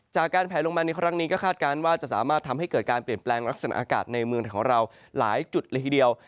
จากการแผลลงมาในครั้งนี้ก็คาดการณ์ว่าจะสามารถทำให้เกิดการเปลี่ยนแปลงลักษณะอากาศในเมืองของเราหลายจุดเลยทีเดียว